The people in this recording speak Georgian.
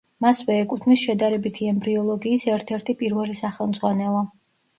მასვე ეკუთვნის შედარებითი ემბრიოლოგიის ერთ-ერთი პირველი სახელმძღვანელო.